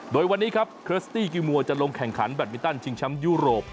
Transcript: โดยวันนี้ครับเครสตี้กิลมัวจะลงแข่งขันแบตมินตันชิงแชมป์ยุโรป